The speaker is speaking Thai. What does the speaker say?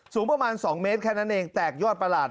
สูงประมาณ๒เมตรแค่นั้นเองแตกยอดประหลาด